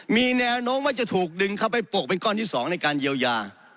มีแนวโน้มว่าจะถูกดึงเข้าไปปกเป็นก้อนที่๒ในการเยียวยา